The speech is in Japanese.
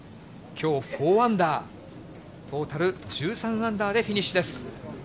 きょう４アンダー、トータル１３アンダーでフィニッシュです。